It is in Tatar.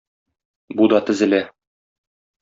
Бу да тезелә.